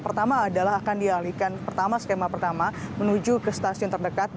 pertama adalah akan dialihkan pertama skema pertama menuju ke stasiun terdekat